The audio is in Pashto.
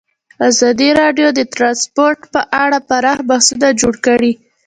ازادي راډیو د ترانسپورټ په اړه پراخ بحثونه جوړ کړي.